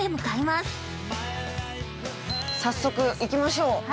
◆早速、行きましょう。